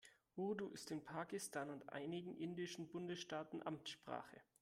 Urdu ist in Pakistan und einigen indischen Bundesstaaten Amtssprache.